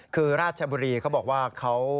คือราชบุรีเขาบอกว่าเขา